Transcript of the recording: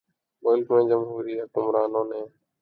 ملک میں جمہوری حکمرانوں نے